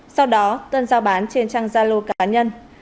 sau đó tân giao bán trên trang gia lô cá nhân